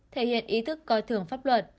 thể hiện ý thức coi thường pháp luật